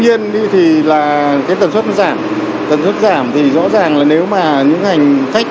điều động để tổ chức làm sao để vẫn đảm bảo phục vụ hành khách